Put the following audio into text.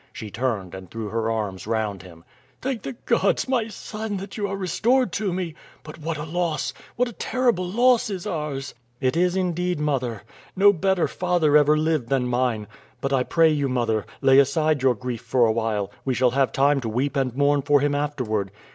She turned and threw her arms round him. "Thank the gods, my son, that you are restored to me; but what a loss, what a terrible loss is ours!" "It is indeed, mother. No better father ever lived than mine. But I pray you, mother, lay aside your grief for awhile; we shall have time to weep and mourn for him afterward.